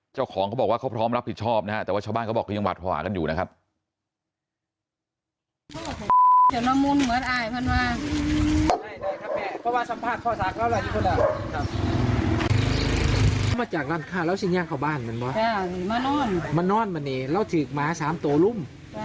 เจ้าของเขาบอกว่าเขาพร้อมรับผิดชอบนะฮะแต่ว่าชาวบ้านเขาบอกเขายังหวาดภาวะกันอยู่นะครับ